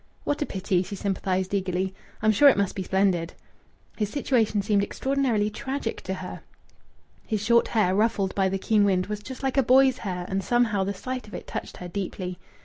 "What a pity!" she sympathized eagerly. "I'm sure it must be splendid." His situation seemed extraordinarily tragic to her. His short hair, ruffled by the keen wind, was just like a boy's hair and somehow the sight of it touched her deeply.